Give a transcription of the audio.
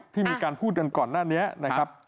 ที่มีการพูดกันก่อนหน้านี้นะครับ